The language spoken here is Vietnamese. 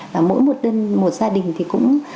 và mỗi một gia đình thì cũng